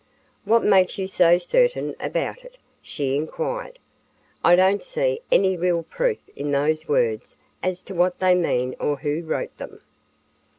"What makes you so certain about it?" she inquired. "I don't see any real proof in those words as to what they mean or who wrote them."